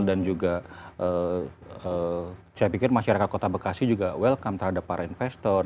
dan juga saya pikir masyarakat kota bekasi juga welcome terhadap para investor